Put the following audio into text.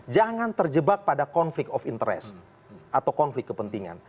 jangan terjebak pada konflik of interest atau konflik kepentingan